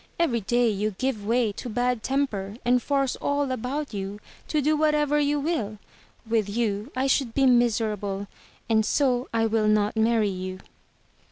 Every day you give way to bad temper, and force all about you to do whatever you will. With you I should be miserable and so I will not marry you."